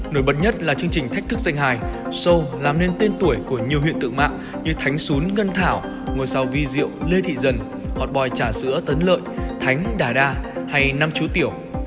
được bật nhất là chương trình thách thức danh hài show làm nên tên tuổi của nhiều huyện tự mạng như thánh sún ngân thảo ngôi sao vi diệu lê thị dần hotboy trà sữa tấn lợi thánh đà đa hay năm chú tiểu